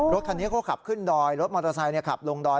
รถคันนี้เขาขับขึ้นดอยรถมอเตอร์ไซค์ขับลงดอย